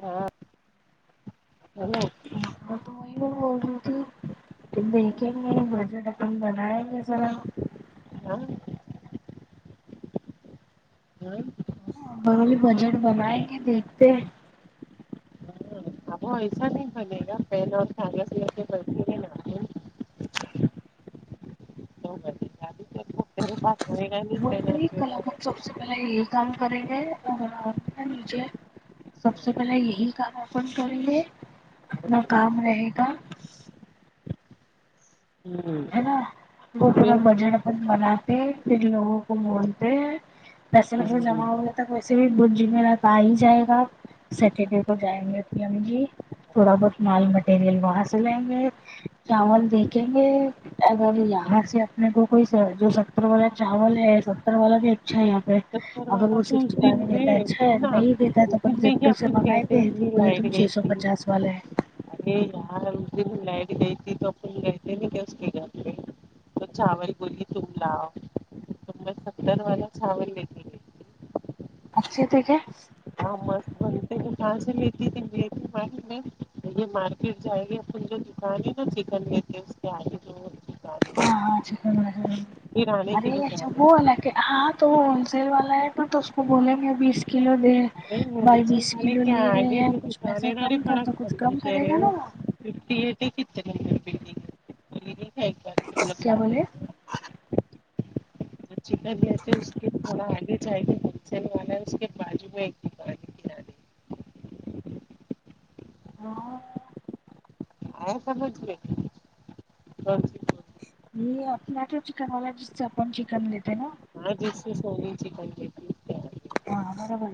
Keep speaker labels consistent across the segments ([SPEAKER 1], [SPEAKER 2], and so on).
[SPEAKER 1] ہاں ہیلو
[SPEAKER 2] میں تو وہی بھی بول رہی تھی تم مل گےمرا بجٹ اپن بنائیں گے ذرا
[SPEAKER 1] ہاں ہاں
[SPEAKER 2] ہا بگلی بجٹ بنائے گے دیکھتے ہیں
[SPEAKER 1] اب وہ ایسا نہیں چلے گا پہلے اور [inaudible] [inaudible]
[SPEAKER 2] وہری
[SPEAKER 1] پیپر
[SPEAKER 2] کلاکت سب سے پہلے یہی کام کریں گے اور او نو نیچے سب سے پہلے یہی کام اپن کریں گے اپنا کام رہے گا
[SPEAKER 1] ہوں
[SPEAKER 2] ہے نا وہ میں
[SPEAKER 1] پھر
[SPEAKER 2] بجٹ اپن بناتے پھر لوگوں کو بولتے ہیں پیسے میںسے جمع
[SPEAKER 1] ہوں
[SPEAKER 2] ہوے تک ویسے بھی بدھ جمعرات آ ہی جائے گا سیٹرڈے کو جائیں گے پی ام جی تھوڑا بہت مال مٹیریل وہاں سے لائیں گے چاول دیکھیں گے اگر یہاں سے اپنے کو کوئی جو ستر والا چاول ہے ستر والا بھی اچھا یہاں پہ
[SPEAKER 1] چکر
[SPEAKER 2] اگر
[SPEAKER 1] والا
[SPEAKER 2] وہ
[SPEAKER 1] تو اس
[SPEAKER 2] سکسٹی فائیو
[SPEAKER 1] دن
[SPEAKER 2] میں دیتا ہے اچھا
[SPEAKER 1] سننا
[SPEAKER 2] نہیں دیتا ہے تو
[SPEAKER 1] اس
[SPEAKER 2] اپن
[SPEAKER 1] دن میں کیا
[SPEAKER 2] زپٹو سے
[SPEAKER 1] اپن گئے
[SPEAKER 2] منگائیں
[SPEAKER 1] تھے
[SPEAKER 2] گے
[SPEAKER 1] اپنی
[SPEAKER 2] بولے تم
[SPEAKER 1] لائٹ
[SPEAKER 2] چھ
[SPEAKER 1] گئی
[SPEAKER 2] سو
[SPEAKER 1] تھی
[SPEAKER 2] پچاس والے ہیں
[SPEAKER 1] ارے یار لائٹ گئی تھی تو گئے تھ ن کہ اس کے گھر پہ [unintelligible] تو چاول بولے تم لاؤ اس میں ستر والا چاول لے کے گئی
[SPEAKER 2] اچھے تھے کیا
[SPEAKER 1] ج مست بتے کہاں سےتی تھیاریٹ میں یہ مار [unintelligible] پھر جائے گی جو دکان ہے نا چکن لی کے اس کے آگے ایک دکان
[SPEAKER 2] ہاں
[SPEAKER 1] ہے
[SPEAKER 2] ہاں چکن
[SPEAKER 1] کرانے
[SPEAKER 2] ارے
[SPEAKER 1] کی
[SPEAKER 2] اچھا
[SPEAKER 1] دکان ہے
[SPEAKER 2] وہ والا کہ ہاں تو ہول سیل والا ہے پر تو اس کو بولیں کہ بیس کلو دیں
[SPEAKER 1] ارے میرے
[SPEAKER 2] بھائی
[SPEAKER 1] سے
[SPEAKER 2] بیس
[SPEAKER 1] والے
[SPEAKER 2] کلو
[SPEAKER 1] کیا
[SPEAKER 2] لے رہے
[SPEAKER 1] آگے
[SPEAKER 2] ہیں
[SPEAKER 1] جو
[SPEAKER 2] کچھ
[SPEAKER 1] دکان
[SPEAKER 2] پیسے
[SPEAKER 1] ہے نا ارے
[SPEAKER 2] کم کر
[SPEAKER 1] بڑا
[SPEAKER 2] تو کچھ کم کرے
[SPEAKER 1] فرنیچر ہے
[SPEAKER 2] گا نا وہ
[SPEAKER 1] ففٹی کتنے ہیںڈگنگ ایک بار
[SPEAKER 2] کیا بولے
[SPEAKER 1] [unintelligible] جو چکن لیتے اس کے تھوڑا آگے چاہیے ہولے سیل والا ہے اس کے بجو میں دکان ہے کرانے کی
[SPEAKER 2] وہاں
[SPEAKER 1] آیا سمجھ میں کونسی
[SPEAKER 2] یہ اپنا تو چکن والا جس سے اپن چکن لیتے نا
[SPEAKER 1] ہوں، ہاں جس سے سونی چکن لیتی ہے
[SPEAKER 2] ہاں برابر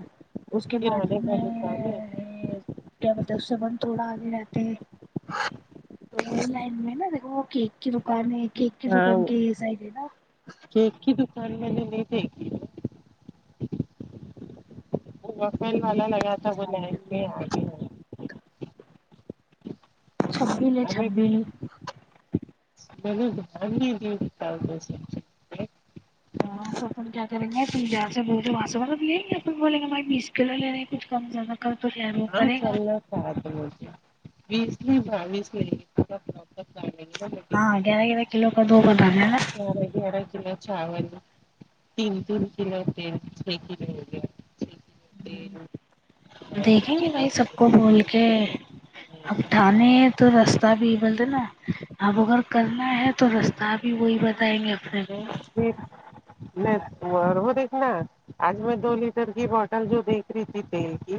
[SPEAKER 2] اس کے باجو
[SPEAKER 1] کرانے کا
[SPEAKER 2] میں
[SPEAKER 1] دکان ہے
[SPEAKER 2] کیا مطلب سبند تھوڑا آگے رہتے ہیں لائن میں نا دیکھو وہ کیک کی دکان ہے کیک کی
[SPEAKER 1] ہاں
[SPEAKER 2] دکان کے یہ سائڈ ہے نا
[SPEAKER 1] کیک کی دکان میں نے نہیں دیکھی وہ وافل والا لگا تھا وہ لائن میں آگے
[SPEAKER 2] چھبی ل چھبی
[SPEAKER 1] بہ باری دیی چالتے تھ [unintelligible]
[SPEAKER 2] ہاں تو اپن کیا کریں گے پیار سے بول وہاں سے ملب لیں گے بولیں گے بھائی بیس کلو لے رہے ہیں کچھ کم زیادہ کر تو شاید وہ
[SPEAKER 1] ہاں
[SPEAKER 2] کرے گا
[SPEAKER 1] چل اب مجھے بیس میں بس میں لیں گے نا [inaudible]
[SPEAKER 2] ہاں گیارہ گیارہ کلو کا دو بنا ہے نہ
[SPEAKER 1] بارہ گیارہ کلو چاول تین تین کلو تیل چھ کلو ہوگیا اور
[SPEAKER 2] دیکھیں گے بھائی
[SPEAKER 1] چاول
[SPEAKER 2] سب کو بول کے اب ٹھانے ہے تو رستہ بھی بولتے نا اب اگر کرنا ہے تو رستہ بھی وہی بتائیں گے اپنے کو
[SPEAKER 1] پھر نیٹورک اور وہ دیکھنا آج میں دو لیٹر کی بوٹل جو دیکھ رہی تھی تیل کی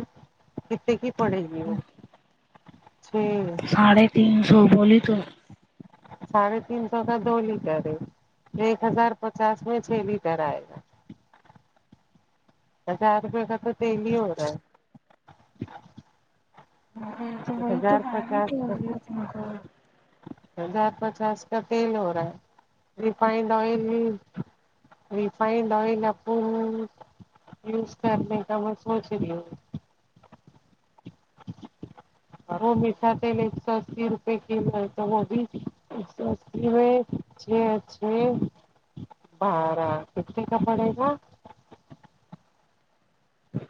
[SPEAKER 1] کتنے کی پڑے گی وہ چھ
[SPEAKER 2] ساڑھے تین سو بولی تو
[SPEAKER 1] ساڑھے تین سو کا دو لیٹر ہے ایک ہزار پچاس میں چھ لیٹر آئے گا ہزار روپئے کا تو ڈیلی ہو رہا ہے
[SPEAKER 2] ہاں [unintelligible] تو ہو تو
[SPEAKER 1] ہزار
[SPEAKER 2] آ تو
[SPEAKER 1] پچاس کا
[SPEAKER 2] مک
[SPEAKER 1] ہزار پچاس کا تیل ہو رہا ہے ریفانڈ آئل ریفانڈ آئل آپ کو یوز کرنے کا میں سوچ رہی ہوں اور وہ میٹھا تیل ایک سو اسی روپے کلو ہے تو وہ بھی ایک سو اسی میں ا چھ ا چھ بارہ کتنے کا پڑے گا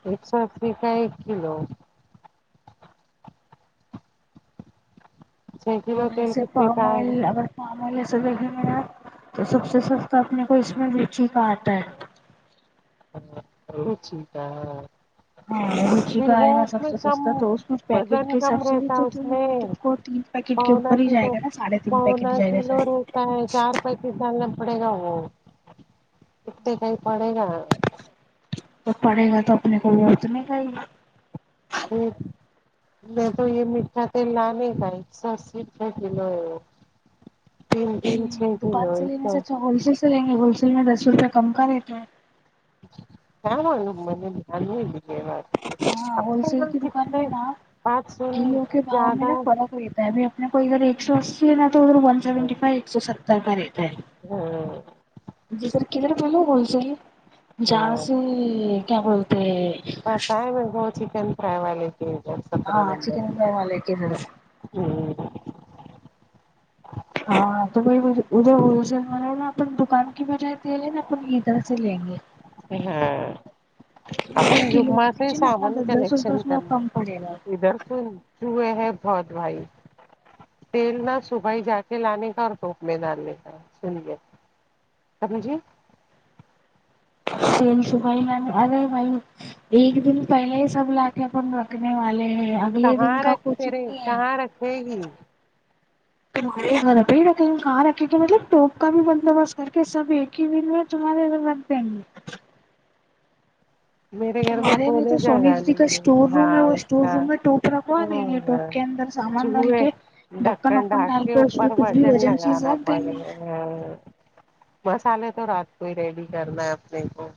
[SPEAKER 1] ایک سو اسی کا ایک کلو چھ کلو تیل
[SPEAKER 2] [inaudible]
[SPEAKER 1] کتنے کا آئے گا
[SPEAKER 2] مامول سے دیکھے میرا تو سب سے سستا اپنے کو اس میں لیچی کا آتا ہے
[SPEAKER 1] اور [unintelligible]
[SPEAKER 2] ہاں روچی
[SPEAKER 1] پھر
[SPEAKER 2] کا
[SPEAKER 1] وہ
[SPEAKER 2] آئے گا
[SPEAKER 1] اس
[SPEAKER 2] سب
[SPEAKER 1] میں
[SPEAKER 2] سے
[SPEAKER 1] کم
[SPEAKER 2] سستا تو اس میں پیکٹ
[SPEAKER 1] وزن
[SPEAKER 2] کے
[SPEAKER 1] کم
[SPEAKER 2] حساب سے بھی
[SPEAKER 1] رہتا
[SPEAKER 2] تو
[SPEAKER 1] اس
[SPEAKER 2] تم
[SPEAKER 1] میں
[SPEAKER 2] تم کو تین پیکٹ کے
[SPEAKER 1] پونا
[SPEAKER 2] اوپر ہی جائے
[SPEAKER 1] کلو
[SPEAKER 2] گا نا ساڑھے تین پیکٹ
[SPEAKER 1] پونا
[SPEAKER 2] جائے گا
[SPEAKER 1] کلو
[SPEAKER 2] شاید
[SPEAKER 1] رہتا ہے چار پینتیس سالنا پڑے گا وہ اتے کا ہی پڑے گا
[SPEAKER 2] تو پڑھے گا تو اپنے کو وه اتنے کہ ہی
[SPEAKER 1] ہمم میں تو یہ میٹھا تیل لا نہیں پایی ایک سو اسی روپے کلو ہے وہ تین تین چھ دن ہو اسکو
[SPEAKER 2] رہیں گے ہول سیل میں دس سو روپئے کم کا رہتے ہیں
[SPEAKER 1] ہاں ہاں مہینے دھیان نہیں دی یہ بات کی
[SPEAKER 2] ہاں
[SPEAKER 1] اب
[SPEAKER 2] ہول
[SPEAKER 1] تو
[SPEAKER 2] سیل
[SPEAKER 1] یہاں
[SPEAKER 2] کی دکان
[SPEAKER 1] کتنے
[SPEAKER 2] میں نا
[SPEAKER 1] بات سن
[SPEAKER 2] کلوں کے بھاؤں میں
[SPEAKER 1] زیادہ
[SPEAKER 2] نا فرق ہو پہلے اپنے کو ادھر ایک ایک سو اسی ہے نا تو ادھر ون سیونٹی فائیو ایک سو ستر کا رہتا ہے
[SPEAKER 1] ہاں
[SPEAKER 2] جی ادھر کدھر ہے ھول سیل جاں
[SPEAKER 1] ہاں
[SPEAKER 2] سے کیا بولتے
[SPEAKER 1] پتا ہے م کو چکن فرائی والے کے سترہ
[SPEAKER 2] ہاں
[SPEAKER 1] نمبر
[SPEAKER 2] چکن فرائی والے
[SPEAKER 1] میں
[SPEAKER 2] کے ادھر
[SPEAKER 1] جی
[SPEAKER 2] ہاں تو بھائی وه ادھر ہول سیل نا اپان دکان کی بجہ د لے نا اپان ادھر سے لیں گے
[SPEAKER 1] ہاں اپن
[SPEAKER 2] اپنے کلو
[SPEAKER 1] جمعہ
[SPEAKER 2] کے
[SPEAKER 1] سے ہی
[SPEAKER 2] پیچھے نا اپنا
[SPEAKER 1] سمان
[SPEAKER 2] دس دس
[SPEAKER 1] کلیکشن
[SPEAKER 2] روپئے اس میں
[SPEAKER 1] کر
[SPEAKER 2] کم پڑے گا
[SPEAKER 1] ادھر کون چئے ہے بہت بھائی تیل نہ صبحائی جا کے لانے کا اور ٹوپ میں ڈالنے کا سنیے سمجھی
[SPEAKER 2] تیل سو بھائی م [unintelligible] ارے بھائی ایک دن پہلے ہی سب لا کے اپن رکھنے والے ہیں اگلے
[SPEAKER 1] کہاں
[SPEAKER 2] دن کا
[SPEAKER 1] رکھ
[SPEAKER 2] کچھ
[SPEAKER 1] تیرے
[SPEAKER 2] نہیں ہے
[SPEAKER 1] کہاں رکھے گی
[SPEAKER 2] تہارے گھر پہ ہی رکھے کہاں رکھے کے مطلب ٹوپ کا بھی بندوبست کر کے سب ایک ہی دن میں تمہارے ادھر رکھ دینگے
[SPEAKER 1] میرے گھر میں
[SPEAKER 2] ہمارے مے تو
[SPEAKER 1] سونے
[SPEAKER 2] سونی
[SPEAKER 1] جگہ
[SPEAKER 2] دی کا
[SPEAKER 1] نہیں
[SPEAKER 2] اسٹور روم ہے
[SPEAKER 1] ہاں
[SPEAKER 2] وہ
[SPEAKER 1] اس
[SPEAKER 2] اسٹور
[SPEAKER 1] کا
[SPEAKER 2] روم میں ٹوپ رکھوا نہیں نے
[SPEAKER 1] ہاں
[SPEAKER 2] ٹوپ کے اندر سامان ڈال
[SPEAKER 1] چوہے
[SPEAKER 2] کے ڈھکن وکن ڈال کے اس کچھ بھی وزن چیز رکھ دیں گے
[SPEAKER 1] ہاں مسالے تو رات کو ہی ریڈی کرنا ہے اپنے کو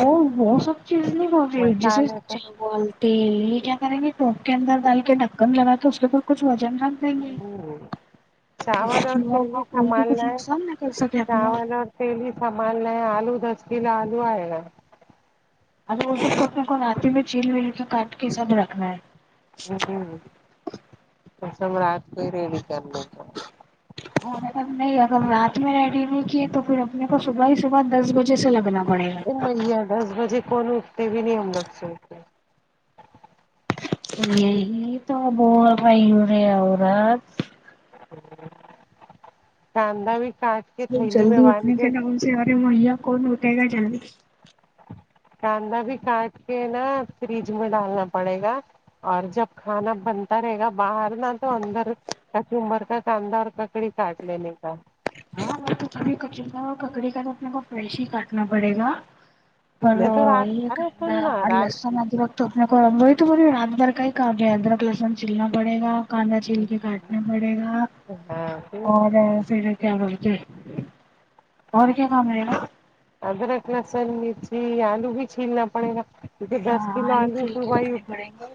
[SPEAKER 2] وہ وہ سب چیز نہیں بول رہی ہوں جیسے
[SPEAKER 1] مسالے تو
[SPEAKER 2] چاول تویہ کیا کریں گے ٹوپ کے اندر ڈال کے ڈھکن لگا کے اس کے او کچھ وزن رکھ
[SPEAKER 1] چاول اور تیلی
[SPEAKER 2] [unintelligible] کوئی بھی کچھ نقصان نہ کر سکے اپنا
[SPEAKER 1] پیلی سامان آلو دس کلو آلو اے گا
[SPEAKER 2] ا [unintelligible] وہ اپنے کو رات میں چھیل ول کے کاٹ کے سبھ رکھنا ہے
[SPEAKER 1] ہوں ہوں ہم سب رات کو ہی ریڈی کرلینگے
[SPEAKER 2] اور اگر نہیں اگر رات میں ریڈی نہیں کیے تو پھر اپنے کو صبح ہی صبح دس بجے سے لگنا پڑے گا
[SPEAKER 1] او مئیا دس بجے کون اٹھتے بھی نہیں ہم لوگ سوکے
[SPEAKER 2] یہی تو بول رہی ہوں رے عورت
[SPEAKER 1] کاندہ بھی کاٹ کے
[SPEAKER 2] ب
[SPEAKER 1] تھیلی میں
[SPEAKER 2] جلدی
[SPEAKER 1] باندھ
[SPEAKER 2] اٹھنے کے نام سے ارے مہیا کون اٹھے گا جلدی
[SPEAKER 1] کاندا بھی کاٹ کے نا فریج میں ڈالنا پڑے گا اور جب کھانا بنتا رہے گا باہر نہ تو اندر کچمبر کا کاندا اور ککڑی کاٹ لینے کا
[SPEAKER 2] ہاں تو کبھی کچمبر اور ککڑی کا تو اپنے کو فریش ہی کاٹنا پڑے گا پر
[SPEAKER 1] میں تو رات
[SPEAKER 2] یہ
[SPEAKER 1] ارے
[SPEAKER 2] کندہ
[SPEAKER 1] سن نا
[SPEAKER 2] اور
[SPEAKER 1] رات
[SPEAKER 2] لہسن ادرک تو اپنے کو وہی تو بول رہی ہوں رات بھر کا ہی کام رہیگا ادرک لسن چلنا پڑے گا کاندا چھیل کے کاٹنا پڑے گا
[SPEAKER 1] ہاں پھر
[SPEAKER 2] اور پھر کیا بول کے اور کیا کام رہے گا
[SPEAKER 1] ادرک لسن مرچی آلو بھی چھیلنا پڑے گا کیونکہ دس کلو آلو صبح ہی
[SPEAKER 2] پڑھیںگے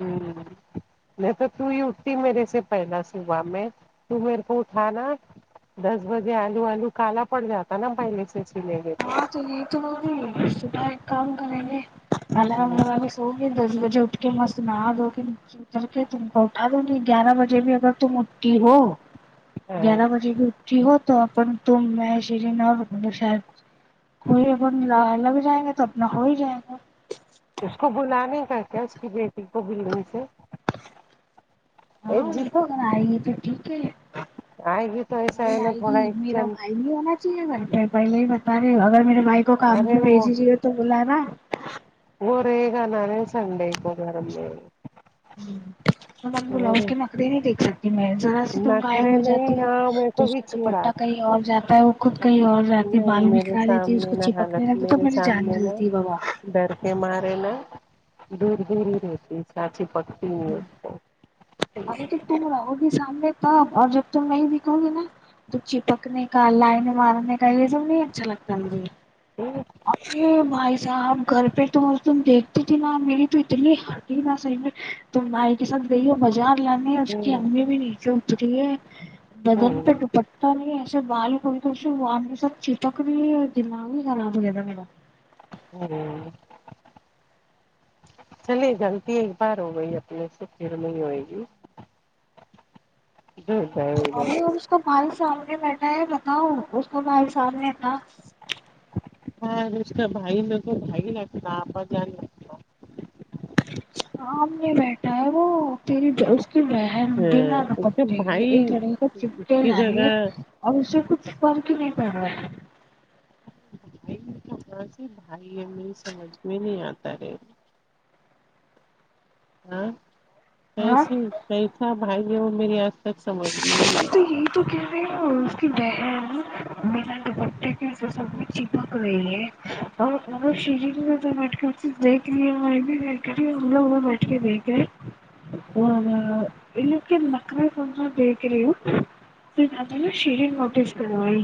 [SPEAKER 1] ہوں نہیں تو تو ہی اٹھتی میرے سے پہلا صبح میں تو میرے کو اٹھا نا دس بجے آلو آلو کالا پڑ جاتا نا پہلے سے چھیلیں گے تو
[SPEAKER 2] ہاں تو یہ تمہاری سیدھا ایک کام کرے گے الرام لگ کے میں سو یہ دس بجے اٹھ کے مست نہا دو کے نیچے کر کے تم کو اٹھا دوں گی گیارہ بجے بھی اگر تم اٹھتی ہو
[SPEAKER 1] ہاں
[SPEAKER 2] گیارہ بجے بھی اٹھتی ہو تو اپن تم میں شیری اور بشائے پورے اپن لگ جائیں گے تو اپنا ہو ہی جائے گا
[SPEAKER 1] اس کو بلانے کا کیا اس کی بیٹی کا بلنگ پہ
[SPEAKER 2] ہاں ان کو اگر آئی ہے تو ٹھیک ہے
[SPEAKER 1] آئے گی تو ایسا ہے
[SPEAKER 2] نہیں
[SPEAKER 1] نا
[SPEAKER 2] آئے گی
[SPEAKER 1] تھوڑا ایک
[SPEAKER 2] میرا
[SPEAKER 1] جن
[SPEAKER 2] بھائی بھی ہے نہ گھر پہ پہلے ہی بتا رہے ہو اگر میرے بھائی کو کام پے
[SPEAKER 1] ارے
[SPEAKER 2] بھی
[SPEAKER 1] وہ
[SPEAKER 2] بھیج رہی ہو تو بلا نا
[SPEAKER 1] وہ رہے گا نانے سنڈے کو گھر میں
[SPEAKER 2] ہوں تو
[SPEAKER 1] اور
[SPEAKER 2] بلاوز کے مکری نہیں دیکھ سکتی میں ذرا سی
[SPEAKER 1] نہ
[SPEAKER 2] تم غائب
[SPEAKER 1] کرے
[SPEAKER 2] ہو جاتی
[SPEAKER 1] نہیں
[SPEAKER 2] ہو
[SPEAKER 1] یہاں میرے
[SPEAKER 2] تو
[SPEAKER 1] کو
[SPEAKER 2] اس
[SPEAKER 1] بھی
[SPEAKER 2] کا
[SPEAKER 1] چڑا
[SPEAKER 2] دوپٹہ کہیں اور جاتا ہے وہ خود کہیں اور رات میں بال
[SPEAKER 1] نہیں میرے
[SPEAKER 2] بکھرا لیتی ہے اس
[SPEAKER 1] سامنے
[SPEAKER 2] کو
[SPEAKER 1] نہ
[SPEAKER 2] چپکنے
[SPEAKER 1] حالت
[SPEAKER 2] لگتی تو میری جان جلتی ہے بابا
[SPEAKER 1] میں مارے نا دور دور ہی رہتی اتنا چپکتی نہیں اسکو
[SPEAKER 2] ارے تو تم رہو گی سامنے تب اور جب تم نہیں دکھو گی نا تو چپکنے کا لائن مارنے کا یہ سب نہیں اچھا لگتا مجھے
[SPEAKER 1] ہوں
[SPEAKER 2] ارے بھائی صاحب گھر پہ اس دن تو تم دیکھتی تھی نا میری تو اتنی ہٹی نا صحیح میں تم بھائی کے ساتھ گئی ہو بازار لانے اس کی امی بھی نیچے اتری ہے بدن پہ دوپٹہ نہیں ایسے بال کو تو وہ ہم سب کے ساتھ چپک نہیں دماغ ہی خراب ہو گیا تھا میرا
[SPEAKER 1] ارے چلیے غلطی ایک بار ہو گئی اپنے سے پھر میں نہیں ہوئے گی ج گئے ادھر
[SPEAKER 2] ارے اب اس کا بھائی سامنے بیٹھا ہے بتاو اس کو بھائی سامنے تھا
[SPEAKER 1] ہاں اس کا بھائی میں کو تو بھائی نہیں لگتا آپا جان ہے
[SPEAKER 2] سامنے میں بیٹھا ہے وہ تیری اس کی بہن [unintelligible]
[SPEAKER 1] اس کے
[SPEAKER 2] رپٹے کی
[SPEAKER 1] بھائی
[SPEAKER 2] ایک گڑی کو چپٹے
[SPEAKER 1] کی
[SPEAKER 2] لا رہی
[SPEAKER 1] جگہ
[SPEAKER 2] ہے اور اسے کچھ فرق ہی نہیں پڑا تھا
[SPEAKER 1] بھائی تو بھائی ہے میرے سمجھ میں نہیں آتا ہے ہاں
[SPEAKER 2] ہاں
[SPEAKER 1] کیسے کیسا بھائی ہے وہ میری آج تک سمجھ میں نہیں
[SPEAKER 2] تو
[SPEAKER 1] آیا
[SPEAKER 2] یہی تو کہہ رہی ہوں اس کی بہن بنا دوپٹہ کی اسے سب میں چپک رہی ہے اور مطلب شری بھی ادھر بیٹھ کر دیکھ رہی ہے میں بھی دیکھ رہی ہوں ہم دونوں بیٹھ کے دیکھ رہے اور ان لوگوں کی نخرے ہاں ہاں دیکھ رہی ہو پھر بعد میں نا شری نوٹس کرئیے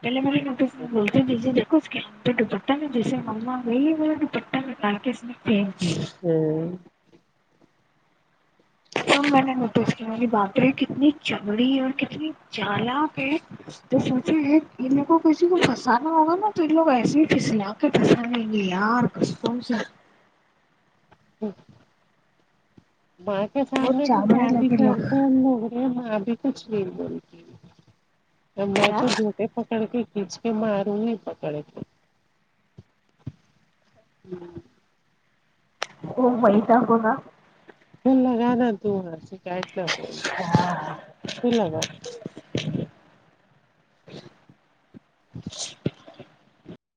[SPEAKER 2] پہلے میں نے پھر بولتی دیدی دیکھو اس کے دوپٹہ میں جیسے ماں وہی دوپٹہ کے نکال کے اس نے پھینک دیے
[SPEAKER 1] آیا ہوں
[SPEAKER 2] جب میں نے نوٹس کیا باپرے کتنی چگڑی اور کتنی چالک ہے تو سوچے ہے ان کو کسی کو پھنسانا ہوگا نا تو ان لوگ ایسے ہی پھسلا کے پھنسا لیں گے یار [unintelligible]
[SPEAKER 1] ماں کے
[SPEAKER 2] بہت
[SPEAKER 1] سامنے بھی
[SPEAKER 2] چاولڑے
[SPEAKER 1] کیا بھی
[SPEAKER 2] لگے لوگ
[SPEAKER 1] کرتے ہیں وہ لوگ یہ ماں بھی کچھ نہیں بولتی میں
[SPEAKER 2] کیا
[SPEAKER 1] تو دو یہ پکڑ کے کھیچ کے ماروں گی پکڑ کے ہ [inaudible]
[SPEAKER 2] او بیٹھا ہو گا
[SPEAKER 1] دل لگانا دوہا شکایت کیا ہے
[SPEAKER 2] [inaudible]
[SPEAKER 1] دل لگا